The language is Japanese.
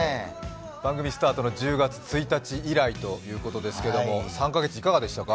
番組スタートの１０月以来ということですが３カ月、いかがでしたか？